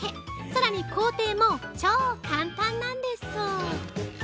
さらに、工程も超簡単なんです！